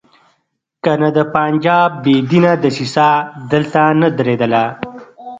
کنه د پنجاب بې دینه دسیسه دلته نه درېدله.